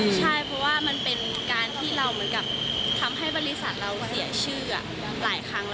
ใช่เพราะว่ามันเป็นการที่เราเหมือนกับทำให้บริษัทเราเสียชื่อหลายครั้ง